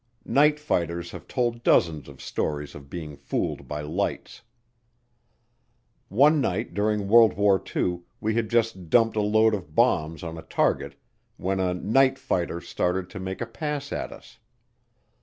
Night fighters have told dozens of stories of being fooled by lights. One night during World War II we had just dumped a load of bombs on a target when a "night fighter" started to make a pass at us.